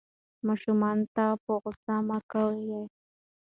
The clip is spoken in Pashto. ماشومانو ته په غوسه مه کېږئ.